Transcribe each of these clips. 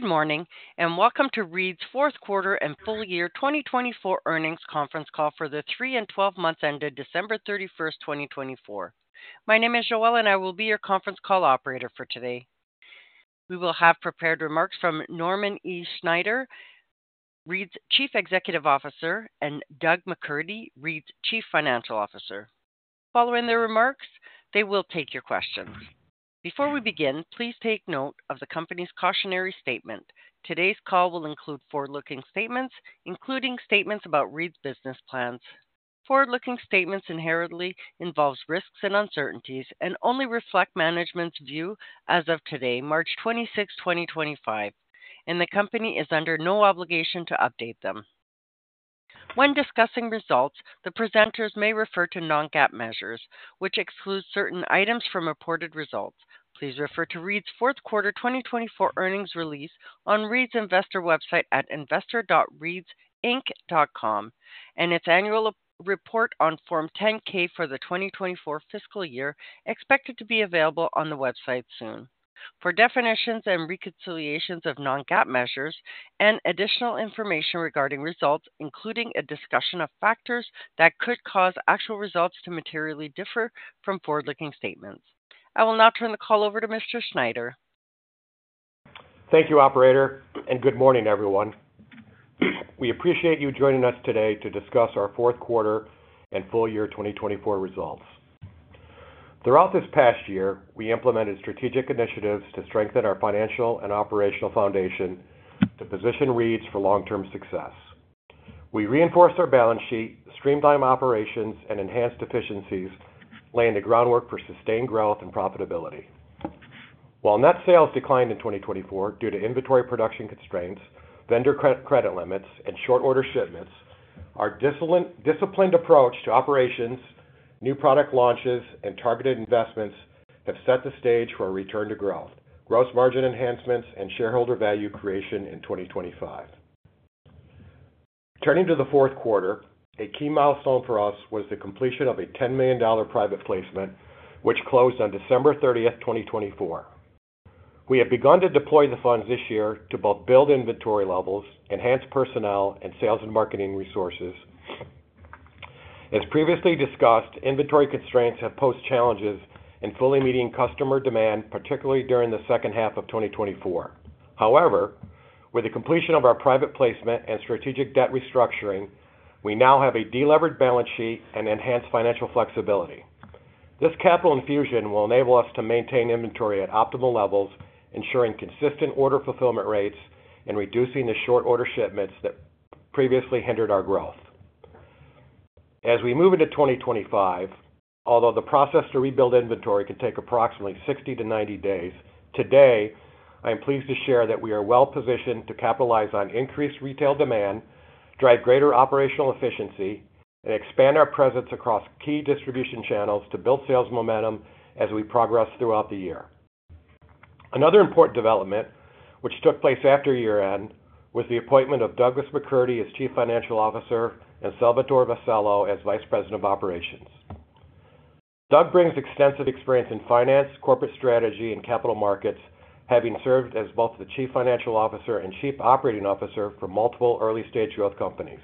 Good morning, and welcome to Reed's Fourth Quarter and Full Year 2024 Earnings Conference Call for the three and twelve months ended December 31, 2024. My name is Joelle, and I will be your conference call operator for today. We will have prepared remarks from Norman E. Snyder, Reed's Chief Executive Officer, and Douglas McCurdy, Reed's Chief Financial Officer. Following their remarks, they will take your questions. Before we begin, please take note of the company's cautionary statement. Today's call will include forward-looking statements, including statements about Reed's business plans. Forward-looking statements inherently involve risks and uncertainties and only reflect management's view as of today, March 26, 2025, and the company is under no obligation to update them. When discussing results, the presenters may refer to non-GAAP measures, which exclude certain items from reported results. Please refer to Reed's fourth quarter 2024 earnings release on Reed's investor website at investor.reedsinc.com, and its annual report on Form 10-K for the 2024 fiscal year expected to be available on the website soon. For definitions and reconciliations of non-GAAP measures and additional information regarding results, including a discussion of factors that could cause actual results to materially differ from forward-looking statements, I will now turn the call over to Mr. Snyder. Thank you, Operator, and good morning, everyone. We appreciate you joining us today to discuss our fourth quarter and full year 2024 results. Throughout this past year, we implemented strategic initiatives to strengthen our financial and operational foundation to position Reed's for long-term success. We reinforced our balance sheet, streamlined operations, and enhanced efficiencies, laying the groundwork for sustained growth and profitability. While net sales declined in 2024 due to inventory production constraints, vendor credit limits, and short-order shipments, our disciplined approach to operations, new product launches, and targeted investments have set the stage for a return to growth, gross margin enhancements, and shareholder value creation in 2025. Turning to the fourth quarter, a key milestone for us was the completion of a $10 million private placement, which closed on December 30, 2024. We have begun to deploy the funds this year to both build inventory levels, enhance personnel, and sales and marketing resources. As previously discussed, inventory constraints have posed challenges in fully meeting customer demand, particularly during the second half of 2024. However, with the completion of our private placement and strategic debt restructuring, we now have a deleveraged balance sheet and enhanced financial flexibility. This capital infusion will enable us to maintain inventory at optimal levels, ensuring consistent order fulfillment rates and reducing the short-order shipments that previously hindered our growth. As we move into 2025, although the process to rebuild inventory can take approximately 60-90 days, today I am pleased to share that we are well positioned to capitalize on increased retail demand, drive greater operational efficiency, and expand our presence across key distribution channels to build sales momentum as we progress throughout the year. Another important development, which took place after year-end, was the appointment of Douglas McCurdy as Chief Financial Officer and Salvatore Vassallo as Vice President of Operations. Douglas brings extensive experience in finance, corporate strategy, and capital markets, having served as both the Chief Financial Officer and Chief Operating Officer for multiple early-stage growth companies.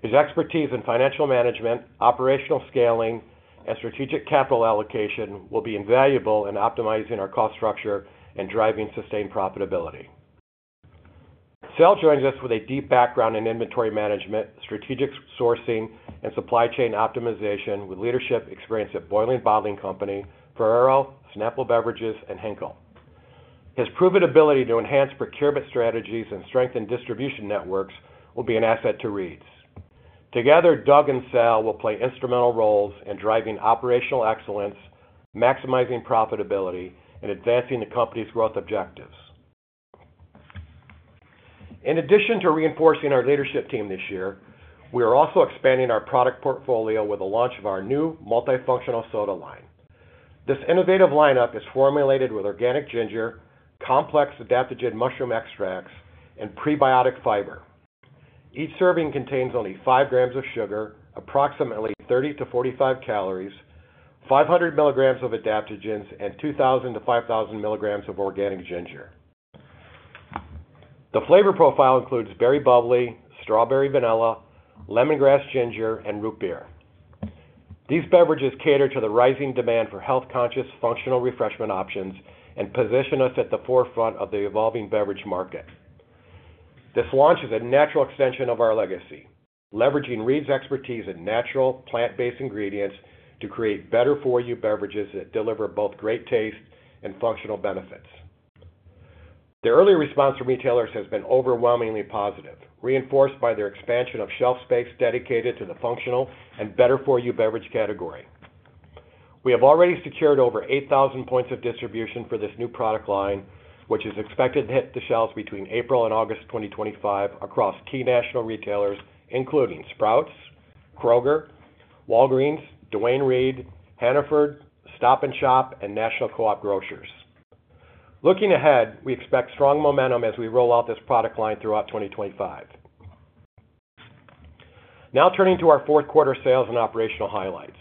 His expertise in financial management, operational scaling, and strategic capital allocation will be invaluable in optimizing our cost structure and driving sustained profitability. Sal joins us with a deep background in inventory management, strategic sourcing, and supply chain optimization with leadership experience at Boylan Bottling Company, Ferrero, Snapple Beverages, and Henkel. His proven ability to enhance procurement strategies and strengthen distribution networks will be an asset to Reed's. Together, Douglas and Sal will play instrumental roles in driving operational excellence, maximizing profitability, and advancing the company's growth objectives. In addition to reinforcing our leadership team this year, we are also expanding our product portfolio with the launch of our new multifunctional soda line. This innovative lineup is formulated with organic ginger, complex adaptogen mushroom extracts, and prebiotic fiber. Each serving contains only 5 grams of sugar, approximately 30-45 calories, 500 milligrams of adaptogens, and 2,000-5,000 milligrams of organic ginger. The flavor profile includes Berry Bubbly, Strawberry Vanilla, Lemongrass Ginger, and Root Beer. These beverages cater to the rising demand for health-conscious, functional refreshment options and position us at the forefront of the evolving beverage market. This launch is a natural extension of our legacy, leveraging Reed's expertise in natural, plant-based ingredients to create Better For You beverages that deliver both great taste and functional benefits. The early response from retailers has been overwhelmingly positive, reinforced by their expansion of shelf space dedicated to the functional and Better For You beverage category. We have already secured over 8,000 points of distribution for this new product line, which is expected to hit the shelves between April and August 2025 across key national retailers, including Sprouts, Kroger, Walgreens, Duane Reade, Hannaford, Stop & Shop, and National Co-op Grocers. Looking ahead, we expect strong momentum as we roll out this product line throughout 2025. Now turning to our fourth quarter sales and operational highlights.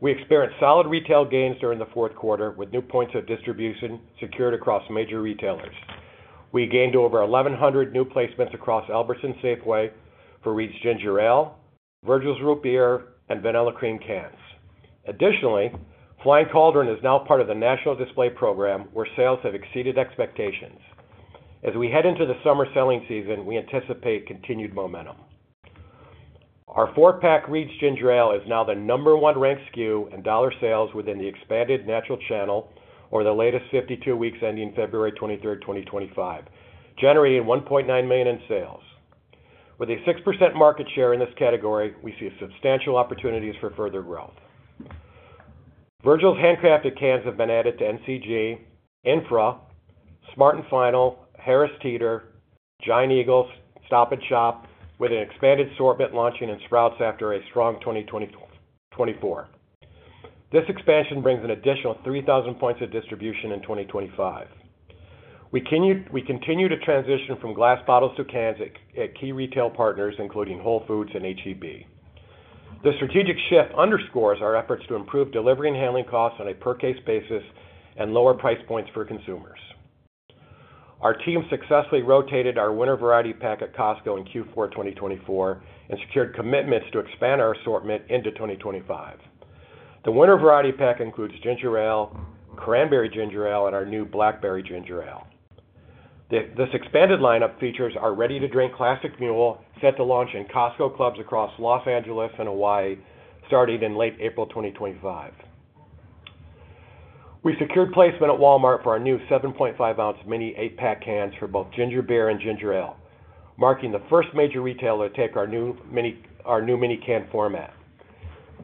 We experienced solid retail gains during the fourth quarter with new points of distribution secured across major retailers. We gained over 1,100 new placements across Albertsons Safeway for Reed's Ginger Ale, Virgil's Root Beer, and Vanilla Cream cans. Additionally, Flying Cauldron is now part of the National Display program, where sales have exceeded expectations. As we head into the summer selling season, we anticipate continued momentum. Our four-pack Reed's Ginger Ale is now the number one ranked SKU in dollar sales within the expanded natural channel over the latest 52 weeks ending February 23, 2025, generating $1.9 million in sales. With a 6% market share in this category, we see substantial opportunities for further growth. Virgil's handcrafted cans have been added to National Co-op Grocers, INFRA, Smart & Final, Harris Teeter, Giant Eagle, Stop & Shop, with an expanded assortment launching in Sprouts after a strong 2024. This expansion brings an additional 3,000 points of distribution in 2025. We continue to transition from glass bottles to cans at key retail partners, including Whole Foods and H-E-B. The strategic shift underscores our efforts to improve delivery and handling costs on a per-case basis and lower price points for consumers. Our team successfully rotated our winter variety pack at Costco in Q4 2024 and secured commitments to expand our assortment into 2025. The winter variety pack includes Ginger Ale, Cranberry Ginger Ale, and our new Blackberry Ginger Ale. This expanded lineup features our ready-to-drink Classic Mule, set to launch in Costco clubs across Los Angeles and Hawaii, starting in late April 2025. We secured placement at Walmart for our new 7.5-ounce mini eight-pack cans for both ginger beer and Ginger Ale, marking the first major retailer to take our new mini can format.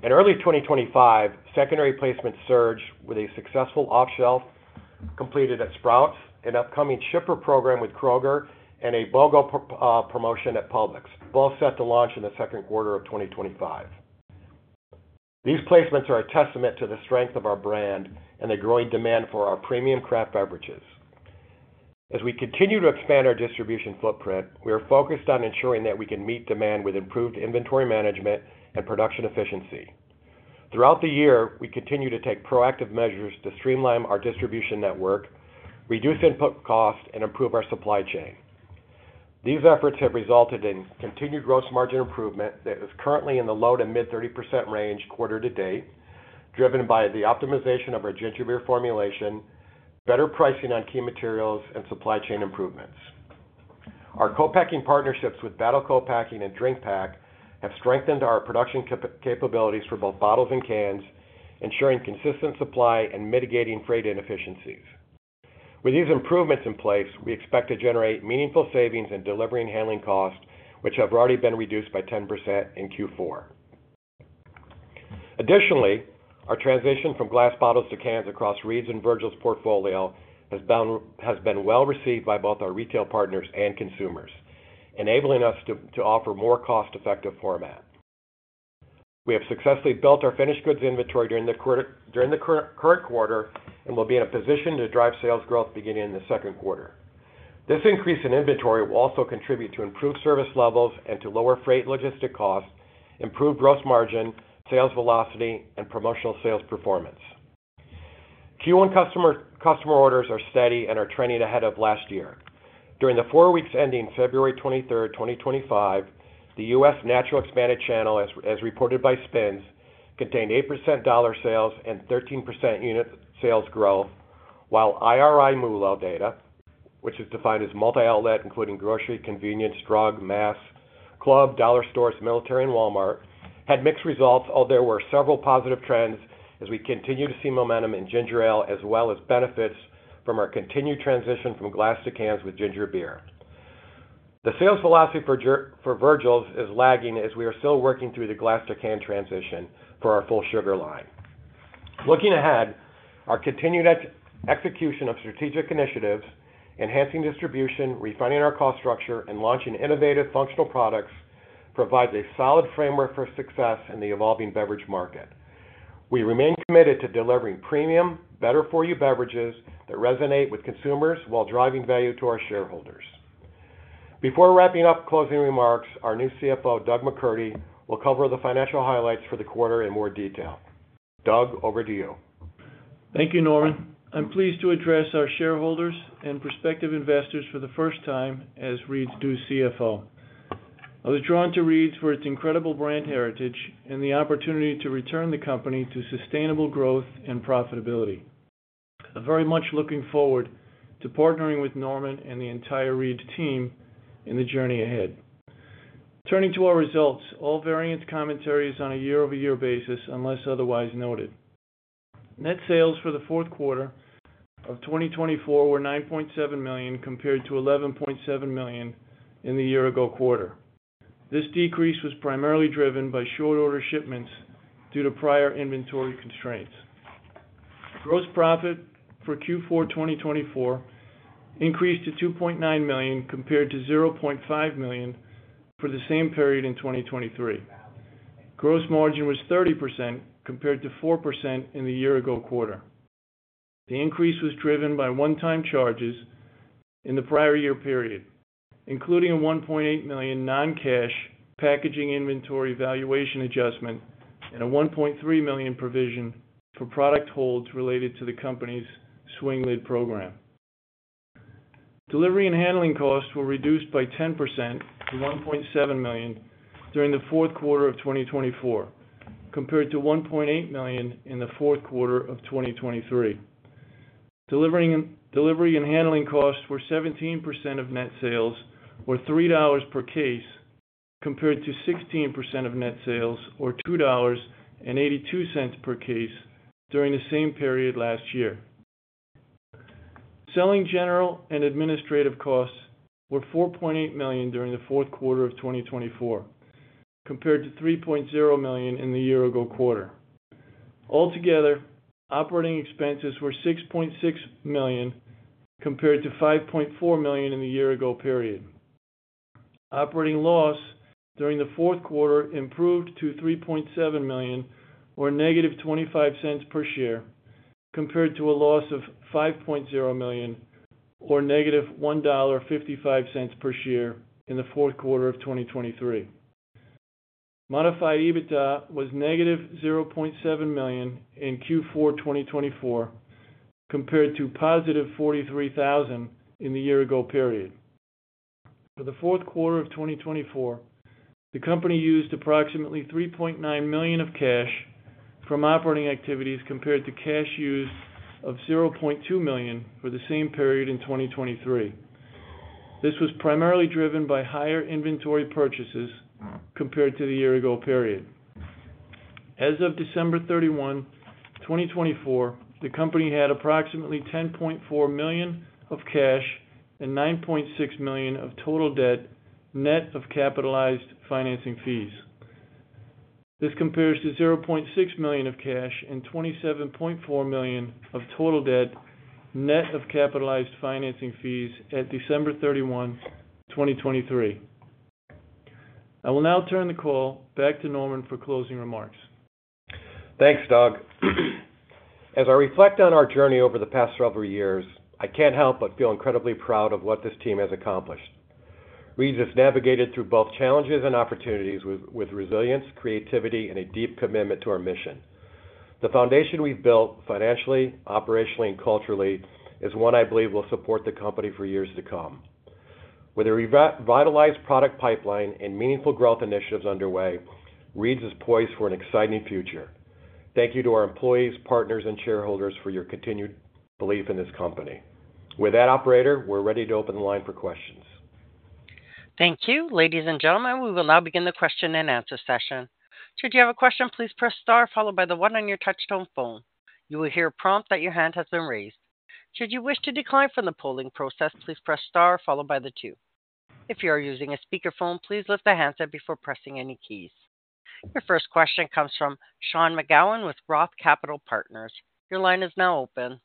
In early 2025, secondary placements surged with a successful off-shelf completed at Sprouts, an upcoming shipper program with Kroger, and a BOGO promotion at Publix, both set to launch in the second quarter of 2025. These placements are a testament to the strength of our brand and the growing demand for our premium craft beverages. As we continue to expand our distribution footprint, we are focused on ensuring that we can meet demand with improved inventory management and production efficiency. Throughout the year, we continue to take proactive measures to streamline our distribution network, reduce input costs, and improve our supply chain. These efforts have resulted in continued gross margin improvement that is currently in the low to mid-30% range quarter to date, driven by the optimization of our ginger beer formulation, better pricing on key materials, and supply chain improvements. Our co-packing partnerships with Battle Co-Packing and DrinkPak have strengthened our production capabilities for both bottles and cans, ensuring consistent supply and mitigating freight inefficiencies. With these improvements in place, we expect to generate meaningful savings in delivery and handling costs, which have already been reduced by 10% in Q4. Additionally, our transition from glass bottles to cans across Reed's and Virgil's portfolio has been well received by both our retail partners and consumers, enabling us to offer a more cost-effective format. We have successfully built our finished goods inventory during the current quarter and will be in a position to drive sales growth beginning in the second quarter. This increase in inventory will also contribute to improved service levels and to lower freight logistic costs, improved gross margin, sales velocity, and promotional sales performance. Q1 customer orders are steady and are trending ahead of last year. During the four weeks ending February 23, 2025, the U.S. Natural expanded channel, as reported by SPINS, contained 8% dollar sales and 13% unit sales growth, while IRI multi-outlet data, which is defined as multi-outlet, including grocery, convenience, drug, mass, club, dollar stores, military, and Walmart, had mixed results, although there were several positive trends as we continue to see momentum in Ginger Ale as well as benefits from our continued transition from glass to cans with ginger beer. The sales velocity for Virgil's is lagging as we are still working through the glass-to-canned transition for our full sugar line. Looking ahead, our continued execution of strategic initiatives, enhancing distribution, refining our cost structure, and launching innovative functional products provides a solid framework for success in the evolving beverage market. We remain committed to delivering premium, Better For You beverages that resonate with consumers while driving value to our shareholders. Before wrapping up closing remarks, our new CFO, Douglas McCurdy, will cover the financial highlights for the quarter in more detail. Douglas, over to you. Thank you, Norman. I'm pleased to address our shareholders and prospective investors for the first time as Reed's new CFO. I was drawn to Reed's for its incredible brand heritage and the opportunity to return the company to sustainable growth and profitability. I'm very much looking forward to partnering with Norman and the entire Reed's team in the journey ahead. Turning to our results, all variance commentary is on a year-over-year basis unless otherwise noted. Net sales for the fourth quarter of 2024 were $9.7 million compared to $11.7 million in the year-ago quarter. This decrease was primarily driven by short-order shipments due to prior inventory constraints. Gross profit for Q4 2024 increased to $2.9 million compared to $0.5 million for the same period in 2023. Gross margin was 30% compared to 4% in the year-ago quarter. The increase was driven by one-time charges in the prior year period, including a $1.8 million non-cash packaging inventory valuation adjustment and a $1.3 million provision for product holds related to the company's swing lid program. Delivery and handling costs were reduced by 10% to $1.7 million during the Fourth Quarter of 2024 compared to $1.8 million in the Fourth Quarter of 2023. Delivery and handling costs were 17% of net sales, or $3 per case, compared to 16% of net sales, or $2.82 per case during the same period last year. Selling general and administrative costs were $4.8 million during the Fourth Quarter of 2024 compared to $3.0 million in the year-ago quarter. Altogether, operating expenses were $6.6 million compared to $5.4 million in the year-ago period. Operating loss during the fourth quarter improved to $3.7 million, or negative $0.25 per share, compared to a loss of $5.0 million, or negative $1.55 per share in the fourth quarter of 2023. Modified EBITDA was negative $0.7 million in Q4 2024 compared to positive $43,000 in the year-ago period. For the fourth quarter of 2024, the company used approximately $3.9 million of cash from operating activities compared to cash used of $0.2 million for the same period in 2023. This was primarily driven by higher inventory purchases compared to the year-ago period. As of December 31, 2024, the company had approximately $10.4 million of cash and $9.6 million of total debt net of capitalized financing fees. This compares to $0.6 million of cash and $27.4 million of total debt net of capitalized financing fees at December 31, 2023. I will now turn the call back to Norman for closing remarks. Thanks, Douglas. As I reflect on our journey over the past several years, I can't help but feel incredibly proud of what this team has accomplished. Reed's has navigated through both challenges and opportunities with resilience, creativity, and a deep commitment to our mission. The foundation we've built financially, operationally, and culturally is one I believe will support the company for years to come. With a revitalized product pipeline and meaningful growth initiatives underway, Reed's is poised for an exciting future. Thank you to our employees, partners, and shareholders for your continued belief in this company. With that, operator, we're ready to open the line for questions. Thank you. Ladies and gentlemen, we will now begin the question and answer session. Should you have a question, please press star followed by the one on your touch-tone phone. You will hear a prompt that your hand has been raised. Should you wish to decline from the polling process, please press star followed by the two. If you are using a speakerphone, please lift the handset before pressing any keys. Your first question comes from Sean McGowan with Roth Capital Partners. Your line is now open.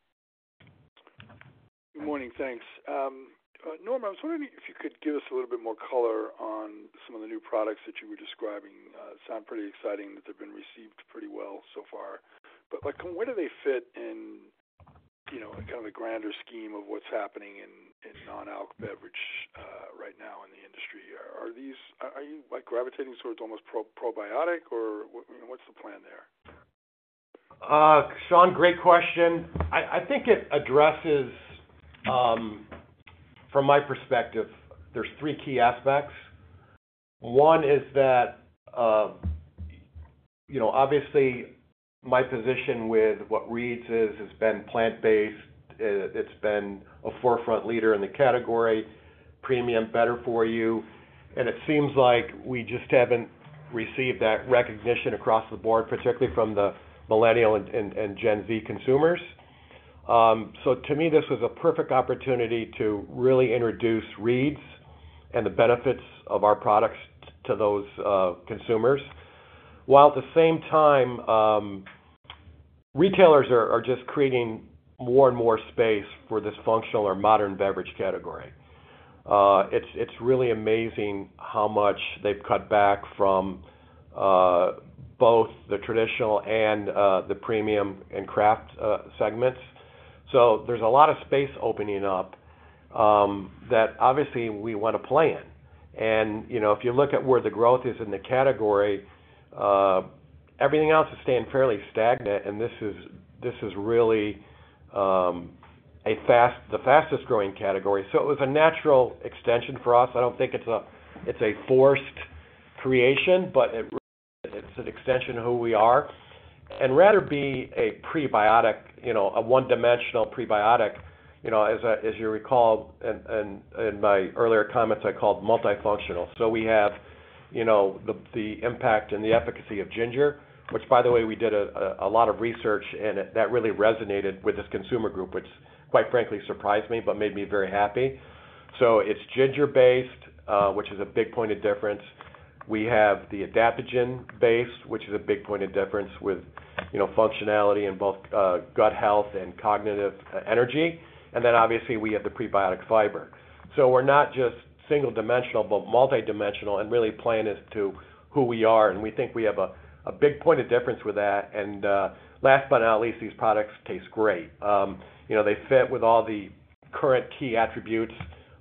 Good morning. Thanks. Norman, I was wondering if you could give us a little bit more color on some of the new products that you were describing. Sound pretty exciting that they've been received pretty well so far. Where do they fit in kind of a grander scheme of what's happening in non-alc beverage right now in the industry? Are you gravitating towards almost probiotic, or what's the plan there? Sean, great question. I think it addresses, from my perspective, there are three key aspects. One is that, obviously, my position with what Reed's is has been plant-based. It's been a forefront leader in the category, premium, Better For You. It seems like we just haven't received that recognition across the board, particularly from the millennial and Gen Z consumers. To me, this was a perfect opportunity to really introduce Reed's and the benefits of our products to those consumers. At the same time, retailers are just creating more and more space for this functional or modern beverage category. It's really amazing how much they've cut back from both the traditional and the premium and craft segments. There is a lot of space opening up that, obviously, we want to play in. If you look at where the growth is in the category, everything else is staying fairly stagnant, and this is really the fastest-growing category. It was a natural extension for us. I do not think it is a forced creation, but it is an extension of who we are. Rather than be a prebiotic, a one-dimensional prebiotic, as you recall, in my earlier comments, I called it multifunctional. We have the impact and the efficacy of ginger, which, by the way, we did a lot of research, and that really resonated with this consumer group, which, quite frankly, surprised me but made me very happy. It is ginger-based, which is a big point of difference. We have the adaptogen-based, which is a big point of difference with functionality in both gut health and cognitive energy. Obviously, we have the prebiotic fiber. We're not just single-dimensional, but multi-dimensional, and really playing as to who we are. We think we have a big point of difference with that. Last but not least, these products taste great. They fit with all the current key attributes: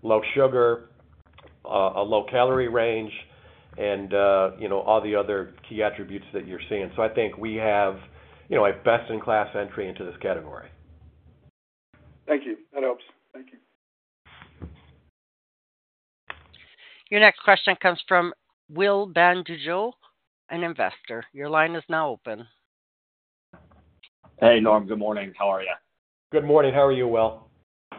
low sugar, a low calorie range, and all the other key attributes that you're seeing. I think we have a best-in-class entry into this category. Thank you. That helps. Thank you. Your next question comes from Will Ben Dujou, an investor. Your line is now open. Hey, Norman. Good morning. How are you? Good morning. How are you? Well.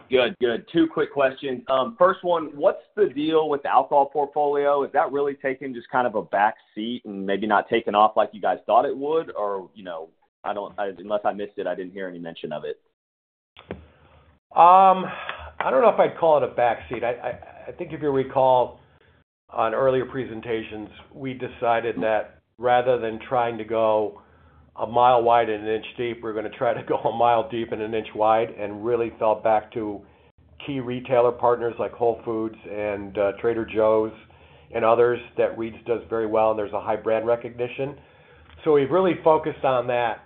Good. Good. Two quick questions. First one, what's the deal with the alcohol portfolio? Is that really taking just kind of a backseat and maybe not taking off like you guys thought it would? Or unless I missed it, I didn't hear any mention of it. I don't know if I'd call it a backseat. I think if you recall, on earlier presentations, we decided that rather than trying to go a mile wide and an inch deep, we're going to try to go a mile deep and an inch wide, and really fell back to key retailer partners like Whole Foods and Trader Joe's and others that Reed's does very well, and there's a high brand recognition. We've really focused on that.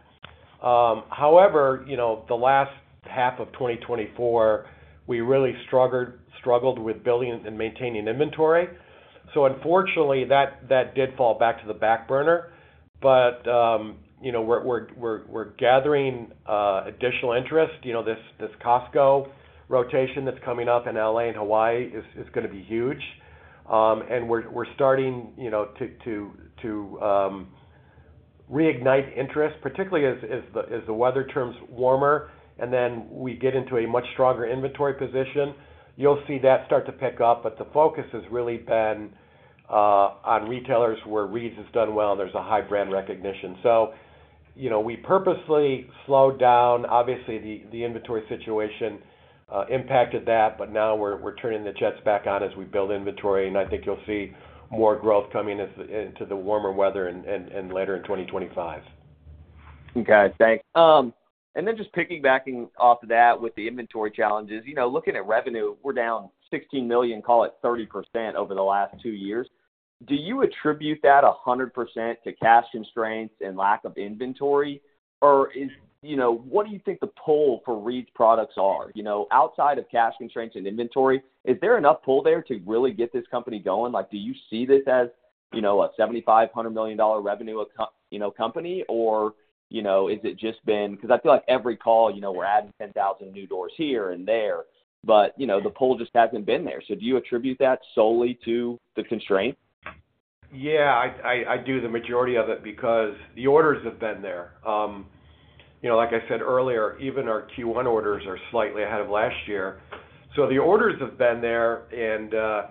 However, the last half of 2024, we really struggled with building and maintaining inventory. Unfortunately, that did fall back to the back burner. We're gathering additional interest. This Costco rotation that's coming up in Los Angeles and Hawaii is going to be huge. We're starting to reignite interest, particularly as the weather turns warmer, and then we get into a much stronger inventory position. You'll see that start to pick up. The focus has really been on retailers where Reed's has done well, and there's a high brand recognition. We purposely slowed down. Obviously, the inventory situation impacted that, but now we're turning the jets back on as we build inventory. I think you'll see more growth coming into the warmer weather later in 2025. Okay. Thanks. Just picking back off of that with the inventory challenges, looking at revenue, we're down $16 million, call it 30% over the last two years. Do you attribute that 100% to cash constraints and lack of inventory? What do you think the pull for Reed's products is? Outside of cash constraints and inventory, is there enough pull there to really get this company going? Do you see this as a $7,500 million revenue company, or has it just been because I feel like every call, we're adding 10,000 new doors here and there, but the pull just has not been there. Do you attribute that solely to the constraint? Yeah. I do the majority of it because the orders have been there. Like I said earlier, even our Q1 orders are slightly ahead of last year. The orders have been there, and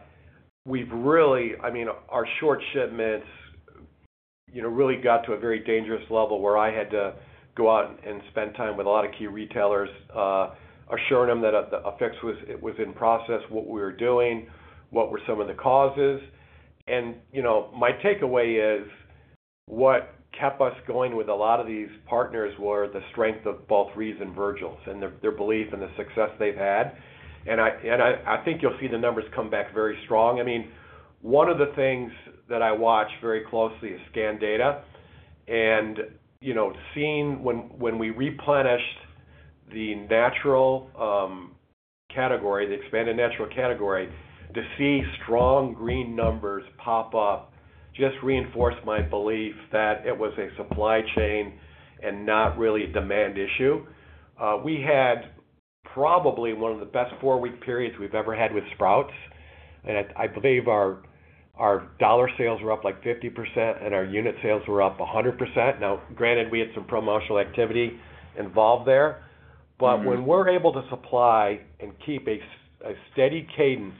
we've really—I mean, our short shipments really got to a very dangerous level where I had to go out and spend time with a lot of key retailers, assuring them that a fix was in process, what we were doing, what were some of the causes. My takeaway is what kept us going with a lot of these partners were the strength of both Reed's and Virgil's and their belief in the success they've had. I think you'll see the numbers come back very strong. I mean, one of the things that I watch very closely is scan data. Seeing when we replenished the natural category, the expanded natural category, to see strong green numbers pop up just reinforced my belief that it was a supply chain and not really a demand issue. We had probably one of the best four-week periods we've ever had with Sprouts. I believe our dollar sales were up like 50%, and our unit sales were up 100%. Now, granted, we had some promotional activity involved there. When we're able to supply and keep a steady cadence,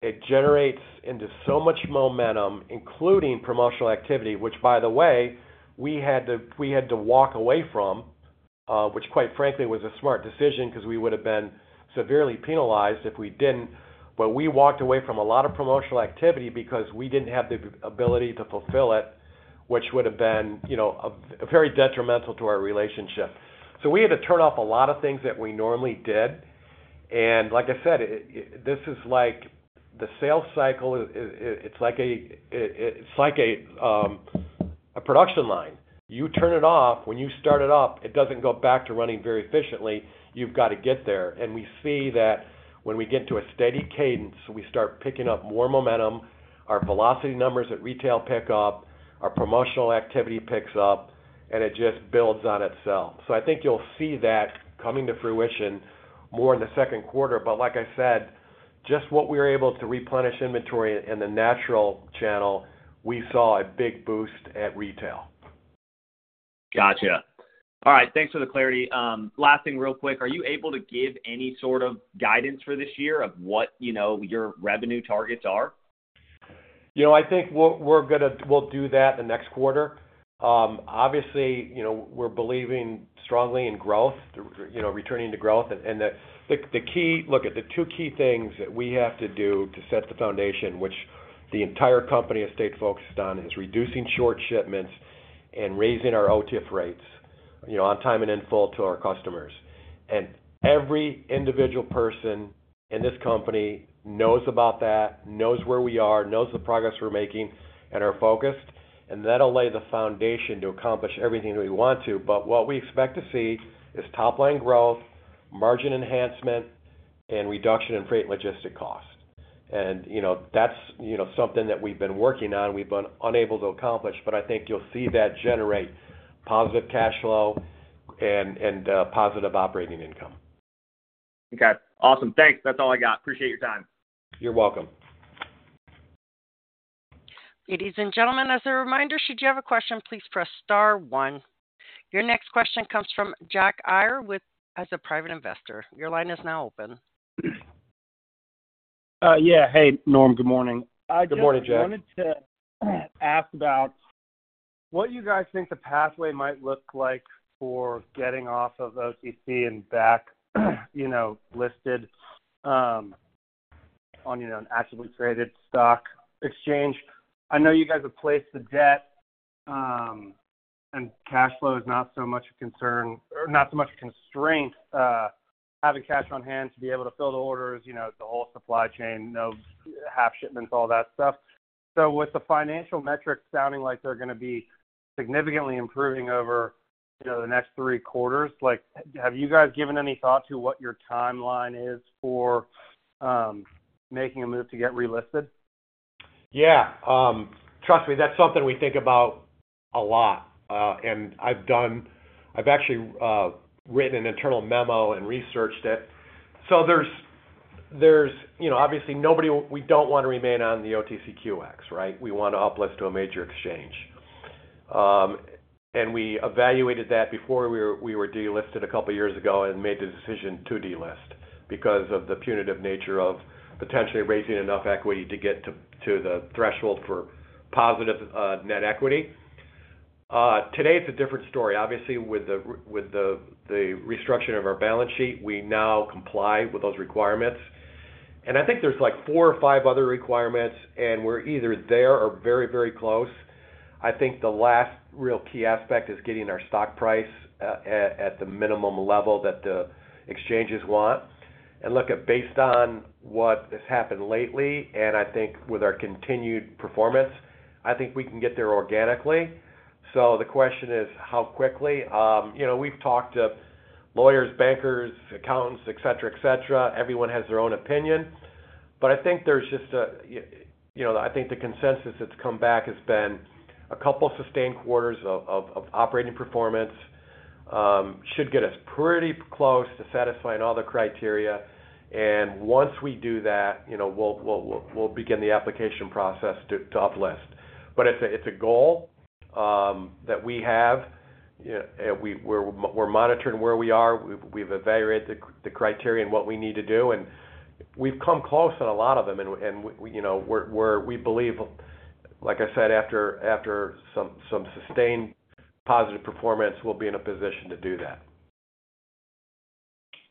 it generates into so much momentum, including promotional activity, which, by the way, we had to walk away from, which, quite frankly, was a smart decision because we would have been severely penalized if we didn't. We walked away from a lot of promotional activity because we didn't have the ability to fulfill it, which would have been very detrimental to our relationship. We had to turn off a lot of things that we normally did. Like I said, this is like the sales cycle. It's like a production line. You turn it off. When you start it up, it doesn't go back to running very efficiently. You've got to get there. We see that when we get to a steady cadence, we start picking up more momentum. Our velocity numbers at retail pick up. Our promotional activity picks up, and it just builds on itself. I think you'll see that coming to fruition more in the second quarter. Like I said, just what we were able to replenish inventory in the natural channel, we saw a big boost at retail. Gotcha. All right. Thanks for the clarity. Last thing, real quick. Are you able to give any sort of guidance for this year of what your revenue targets are? I think we'll do that in the next quarter. Obviously, we're believing strongly in growth, returning to growth. Look, the two key things that we have to do to set the foundation, which the entire company is focused on, is reducing short shipments and raising our OTIF rates on time and in full to our customers. Every individual person in this company knows about that, knows where we are, knows the progress we're making, and are focused. That'll lay the foundation to accomplish everything that we want to. What we expect to see is top-line growth, margin enhancement, and reduction in freight and logistic cost. That's something that we've been working on. We've been unable to accomplish, but I think you'll see that generate positive cash flow and positive operating income. Okay. Awesome. Thanks. That's all I got. Appreciate your time. You're welcome. Ladies and gentlemen, as a reminder, should you have a question, please press star one. Your next question comes from Jack Iyer as a private investor. Your line is now open. Yeah. Hey, Norm. Good morning. Hi, Jack. Good morning, Jack. I wanted to ask about what you guys think the pathway might look like for getting off of OTC and back listed on an actively traded stock exchange. I know you guys have placed the debt, and cash flow is not so much a concern or not so much a constraint, having cash on hand to be able to fill the orders, the whole supply chain, no half shipments, all that stuff. With the financial metrics sounding like they're going to be significantly improving over the next three quarters, have you guys given any thought to what your timeline is for making a move to get relisted? Yeah. Trust me, that's something we think about a lot. I've actually written an internal memo and researched it. There's obviously nobody we don't want to remain on the OTCQX, right? We want to uplist to a major exchange. We evaluated that before we were delisted a couple of years ago and made the decision to delist because of the punitive nature of potentially raising enough equity to get to the threshold for positive net equity. Today, it's a different story. Obviously, with the restructuring of our balance sheet, we now comply with those requirements. I think there are like four or five other requirements, and we're either there or very, very close. The last real key aspect is getting our stock price at the minimum level that the exchanges want. Look, based on what has happened lately, and I think with our continued performance, I think we can get there organically. The question is, how quickly? We've talked to lawyers, bankers, accountants, etc., etc. Everyone has their own opinion. I think the consensus that's come back has been a couple of sustained quarters of operating performance should get us pretty close to satisfying all the criteria. Once we do that, we'll begin the application process to uplist. It's a goal that we have. We're monitoring where we are. We've evaluated the criteria and what we need to do. We've come close on a lot of them. We believe, like I said, after some sustained positive performance, we'll be in a position to do that.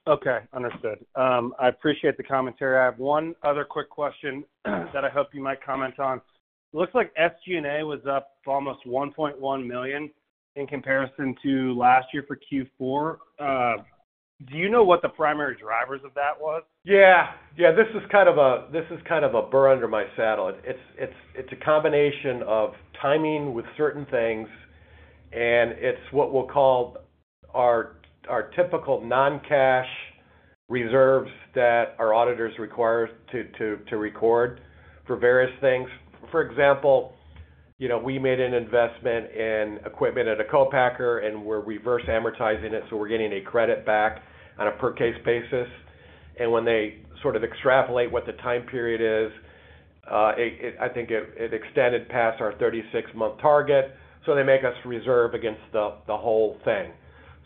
Okay. Understood. I appreciate the commentary. I have one other quick question that I hope you might comment on. It looks like SG&A was up almost $1.1 million in comparison to last year for Q4. Do you know what the primary drivers of that was? Yeah. Yeah. This is kind of a—this is kind of a burr under my saddle. It's a combination of timing with certain things, and it's what we'll call our typical non-cash reserves that our auditors require to record for various things. For example, we made an investment in equipment at a co-packer, and we're reverse amortizing it. So we're getting a credit back on a per-case basis. When they sort of extrapolate what the time period is, I think it extended past our 36-month target. They make us reserve against the whole thing.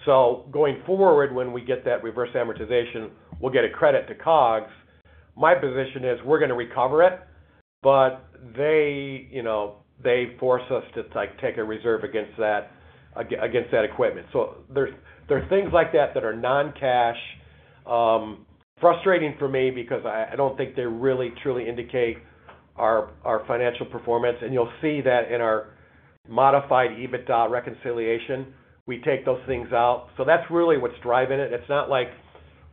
Going forward, when we get that reverse amortization, we'll get a credit to COGS. My position is we're going to recover it, but they force us to take a reserve against that equipment. There are things like that that are non-cash. Frustrating for me because I don't think they really, truly indicate our financial performance. You'll see that in our modified EBITDA reconciliation. We take those things out. That's really what's driving it. It's not like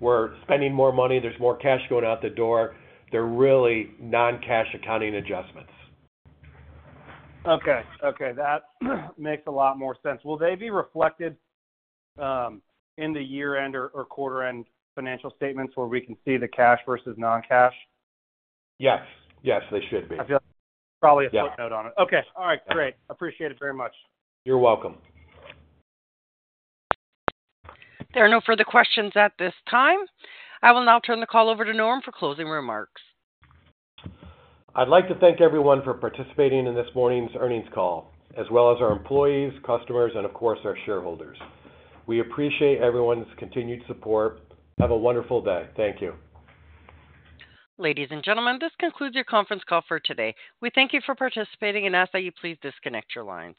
we're spending more money. There's more cash going out the door. They're really non-cash accounting adjustments. Okay. Okay. That makes a lot more sense. Will they be reflected in the year-end or quarter-end financial statements where we can see the cash versus non-cash? Yes. Yes. They should be. I feel like probably a footnote on it. Okay. All right. Great. Appreciate it very much. You're welcome. There are no further questions at this time. I will now turn the call over to Norm for closing remarks. I'd like to thank everyone for participating in this morning's earnings call, as well as our employees, customers, and of course, our shareholders. We appreciate everyone's continued support. Have a wonderful day. Thank you. Ladies and gentlemen, this concludes your conference call for today. We thank you for participating and ask that you please disconnect your lines.